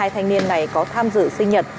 hai thanh niên này có tham dự sinh nhật